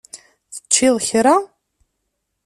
Teččiḍ kra?